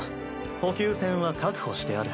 補給線は確保してある。